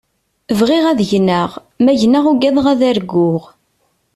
Bɣiɣ ad gneɣ, ma gneɣ ugadeɣ ad arguɣ.